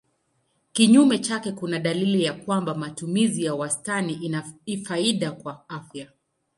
Kinyume chake kuna dalili ya kwamba matumizi ya wastani ina faida kwa afya.